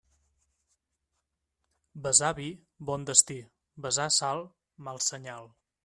Vessar vi, bon destí; vessar sal, mal senyal.